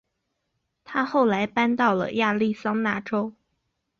她后来搬到了亚利桑那州。